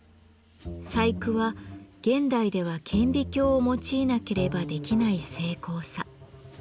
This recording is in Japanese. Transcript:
細工は現代では顕微鏡を用いなければできない精巧さ。